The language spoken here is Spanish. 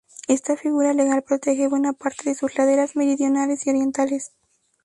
Esta figura legal protege buena parte de sus laderas meridionales y orientales.